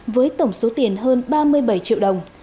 với tổng số tiền hơn ba mươi bảy triệu đồng